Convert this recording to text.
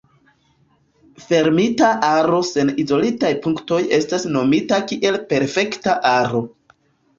Fermita aro sen izolitaj punktoj estas nomita kiel perfekta aro.